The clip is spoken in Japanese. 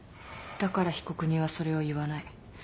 だから被告人はそれを言わない。